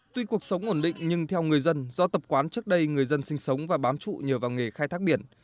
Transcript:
tuy cuộc sống ổn định nhưng theo người dân do tập quán trước đây người dân sinh sống và bám trụ nhờ vào nghề khai thác biển